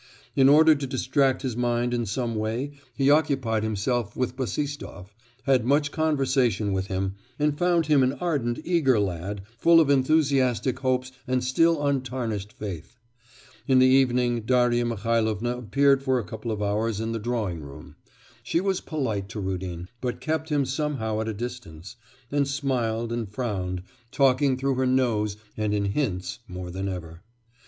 In order to distract his mind in some way he occupied himself with Bassistoff, had much conversation with him, and found him an ardent, eager lad, full of enthusiastic hopes and still untarnished faith. In the evening Darya Mihailovna appeared for a couple of hours in the drawing room. She was polite to Rudin, but kept him somehow at a distance, and smiled and frowned, talking through her nose, and in hints more than ever.